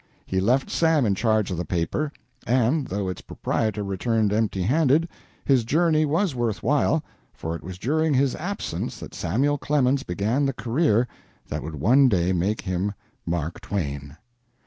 He left Sam in charge of the paper, and, though its proprietor returned empty handed, his journey was worth while, for it was during his absence that Samuel Clemens began the career that would one day make him Mark Twain.